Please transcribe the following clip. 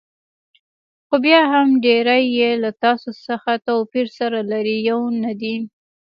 خو بیا هم ډېری یې له تاسو څخه توپیر سره لري، یو نه دي.